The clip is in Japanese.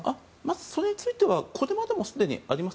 それについてはこれまでもすでにあります。